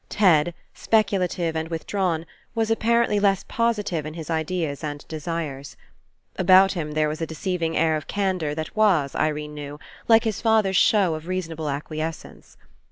Ted, speculative and withdrawn, was, apparently, less positive in his ideas and desires. About him there was a deceiving air of candour that was, Irene knew, like his father's show of reason able acquiescence.